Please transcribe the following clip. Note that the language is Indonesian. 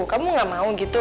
kamu gak mau gitu